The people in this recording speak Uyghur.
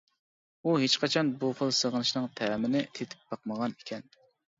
ئۇ ھېچقاچان بۇ خىل سېغىنىشنىڭ تەمىنى تېتىپ باقمىغان ئىكەن.